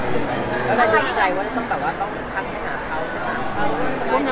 แล้วใครใจว่าต้องการทักให้หาเขา